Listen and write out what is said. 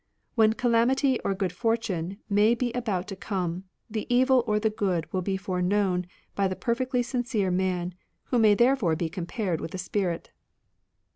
When calamity or good fortune may be about to come, the evil or the good will be foreknown by the perfectly sincere man, who may therefore be compared with a spirit."